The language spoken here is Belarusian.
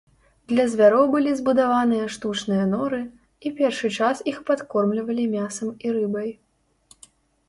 Для звяроў былі збудаваныя штучныя норы, і першы час іх падкормлівалі мясам і рыбай.